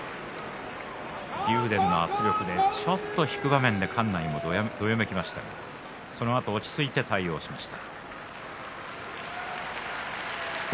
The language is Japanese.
竜電の圧力でちょっと引く場面があって館内もどよめきましたがそのあと落ち着いて押し出しました。